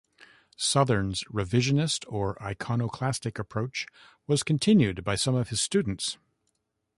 Southern's revisionist or iconoclastic approach was continued by some of his students.